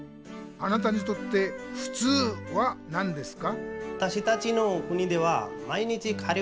あなたにとって「ふつう」は何ですか？